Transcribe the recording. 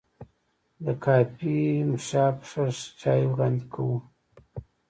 دا کافي شاپ ښه چای وړاندې کوي.